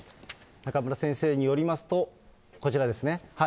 中村先生によりますと、こちらですね。